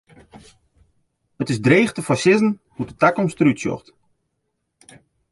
It is dreech te foarsizzen hoe't de takomst der út sjocht.